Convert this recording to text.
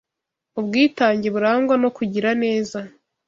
ubwitange burangwa no kugira neza